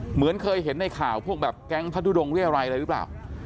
เหมือนเคยเห็นในข่าวพวกแบบแก๊งพระทุดงเรียรัยอะไรหรือเปล่า